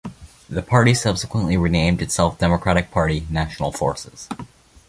The party subsequently renamed itself Democratic Party - National Forces.